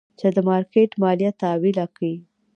چې د مارکېټ ماليه تاويله کي.